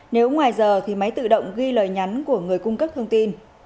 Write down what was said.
nếu ngoài giờ thì máy tự động ghi lời nhắn của người cung cấp thông tin